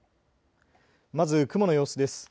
まず雲の様子です。